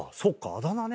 あだ名ね。